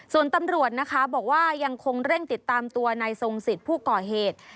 ส่วนตำรวจนะคะบอกว่ายังคงเร่งติดตามตัวนายทรงสิทธิ์ผู้ก่อเหตุ